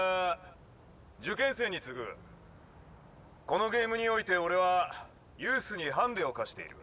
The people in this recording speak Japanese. このゲームにおいて俺はユースにハンデを課している」。